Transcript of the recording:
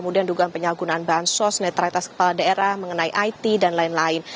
dugaan penyalgunaan bahan sos netralitas kepala daerah mengenai it dan lain lain